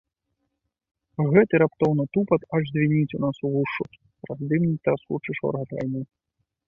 Гэты раптоўны тупат аж звініць у нас увушшу праз дымны траскучы шоргат вайны.